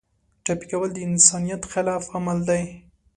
ټپي کول د انسانیت خلاف عمل دی.